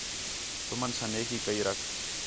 تُمن ساں نیکی کَئی رکھ